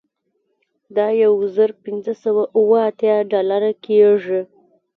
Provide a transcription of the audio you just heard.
دا یو زر پنځه سوه اوه اتیا ډالره کیږي